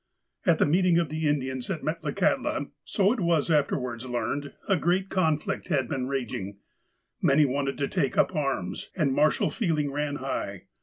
• At the meeting of the Indians at Metlakahtla, so it was afterwards learned, a great conflict had been raging. Many wanted to take up arms, and martial feeling ran high.